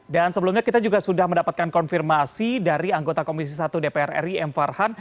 dan sebelumnya kita juga sudah mendapatkan konfirmasi dari anggota komisi satu dpr ri m farhan